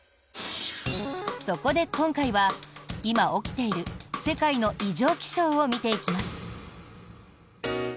そこで今回は今、起きている世界の異常気象を見ていきます。